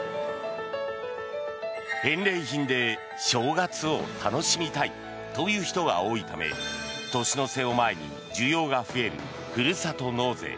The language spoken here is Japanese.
返礼品で正月を楽しみたいという人が多いため年の瀬を前に需要が増えるふるさと納税。